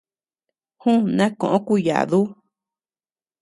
Ju, na koʼo kuyadu.